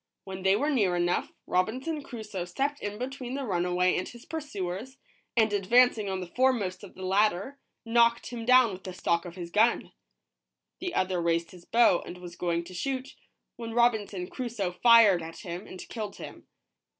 When they were near enough, Robinson Crusoe stepped in between the runaway and his pursuers, and ad vancing on the foremost of the latter, knocked him down with the stock of his gun. The other raised his bow and was going to shoot, when Robinson Crusoe fired at him and killed him.